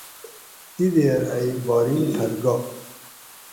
دی دیر ائ بحرین پھر گا